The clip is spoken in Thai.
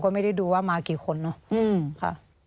ไม่ได้ดูว่ามากี่คนเนอะค่ะ